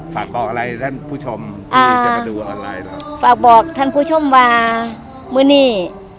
ฝากบอกอะไรทันผู้ชมอ่าอันดูอะไรฝากบอกท่านผู้ชมว่ามือหนี้